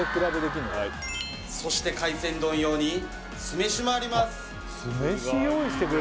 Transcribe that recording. そして海鮮丼用に酢飯もあります